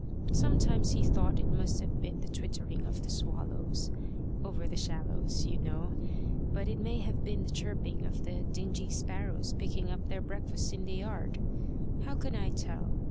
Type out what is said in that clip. Sometimes he thought it must have been the twittering of the swallows over the shallows, you, know; but it may have been the chirping of the dingy sparrows picking up their breakfast in the yard how can I tell?